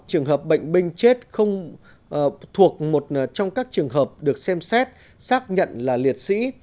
trường hợp bệnh binh chết không thuộc một trong các trường hợp được xem xét xác nhận là liệt sĩ